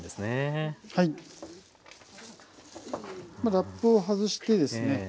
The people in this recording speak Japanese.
ラップを外してですね